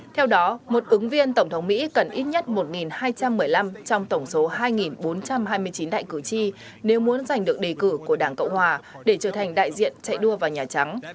theo đó một ứng viên tổng thống mỹ cần ít nhất một hai trăm một mươi năm trong tổng số hai bốn trăm hai mươi chín đại cử tri nếu muốn giành được đề cử của đảng cộng hòa để trở thành đại diện chạy đua vào nhà trắng